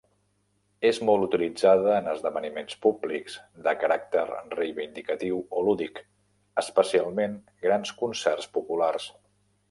És molt utilitzada en esdeveniments públics de caràcter reivindicatiu o lúdic, especialment grans concerts populars.